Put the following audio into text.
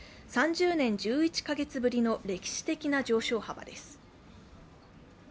３０年１１か月ぶりの歴史的な上昇幅です。